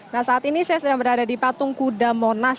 nah saat ini saya sedang berada di patung kuda monas